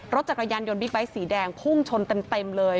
รถจักรยานยนต์บิ๊กไบท์สีแดงพุ่งชนเต็มเลย